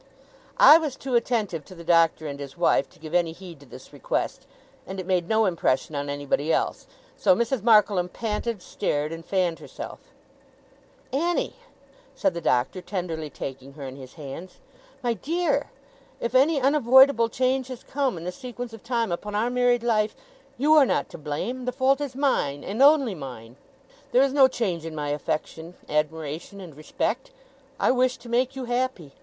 I was too attentive to the Doctor and his wife, to give any heed to this request; and it made no impression on anybody else; so Mrs. Markleham panted, stared, and fanned herself. 'Annie!' said the Doctor, tenderly taking her in his hands. 'My dear! If any unavoidable change has come, in the sequence of time, upon our married life, you are not to blame. The fault is mine, and only mine. There is no change in my affection, admiration, and respect. I wish to make you happy.